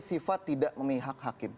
sifat tidak memihak hakim